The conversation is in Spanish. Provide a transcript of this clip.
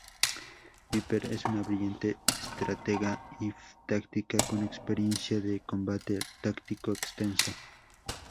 Viper es una brillante estratega y táctica con experiencia de combate táctico extenso.